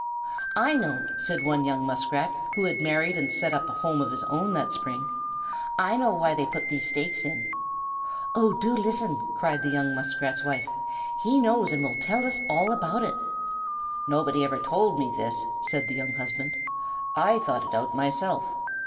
"I know," said one young Muskrat, who had married and set up a home of his own that spring. "I know why they put these stakes in." "Oh, do listen!" cried the young Muskrat's wife. "He knows and will tell us all about it." "Nobody ever told me this," said the young husband. "I thought it out myself.